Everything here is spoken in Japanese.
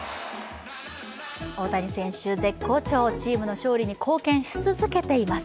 大谷選手、絶好調チームの勝利に貢献し続けています。